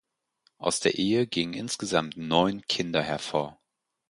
Aus der Ehe gingen insgesamt neun Kinder hervor.